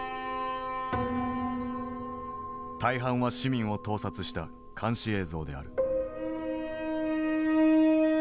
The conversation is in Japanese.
大半は市民を盗撮した監視映像である。